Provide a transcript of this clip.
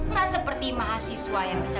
tak seperti mahasiswa yang bisa